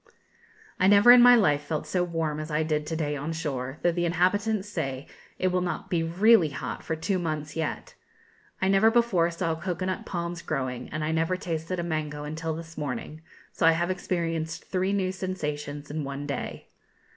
I never in my life felt so warm as I did to day on shore, though the inhabitants say it will not be really hot for two months yet; I never before saw cocoa nut palms growing; and I never tasted a mango until this morning; so I have experienced three new sensations in one day.